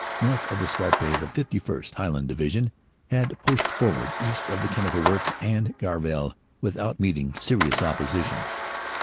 "North of the Scarpe the 51st. (Highland) Division had pushed forward east of the Chemical Works and Gavrelle without meeting serious opposition."